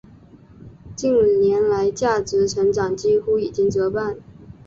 近年来价值成长已经几乎折半。